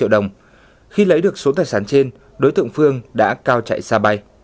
để lấy được số tài sản trên đối tượng phương đã cao chạy xa bay